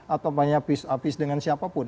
atau apanya pis apis dengan siapapun